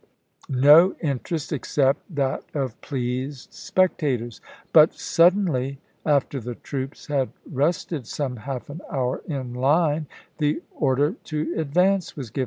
no interest, except that of pleased spectators ; but suddenly, after the troops had rested some half an hour in line, the order to advance was given.